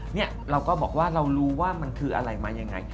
เนี่ยเราก็บอกว่าเรารู้ว่ามันคืออะไรมายังไง